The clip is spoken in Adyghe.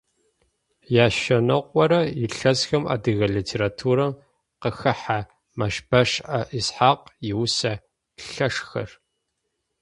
Яшъэныкъорэ илъэсхэм адыгэ литературэм къыхахьэ Мэщбэшӏэ Исхьакъ иусэ лъэшхэр.